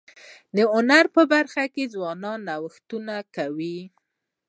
د هنر په برخه کي ځوانان نوښتونه کوي.